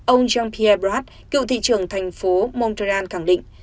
ông jean pierre braat cựu thị trưởng thành phố montreal khẳng định